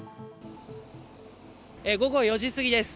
午後４時過ぎです。